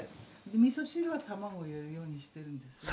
みそ汁は卵入れるようにしてるんですけど。